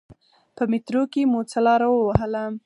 په میترو کې مو څه لاره و وهله.